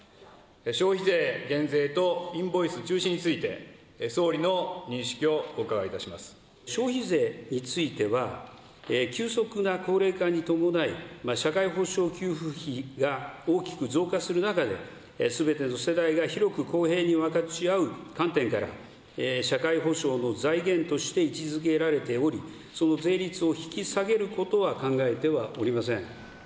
消費税減税とインボイス中止について、総理の認識をお伺いいたし消費税については、急速な高齢化に伴い、社会保障給付費が大きく増加する中で、すべての世代が広く公平に分かち合う観点から、社会保障の財源として位置づけられており、その税率を引き下げることは考えてはおりません。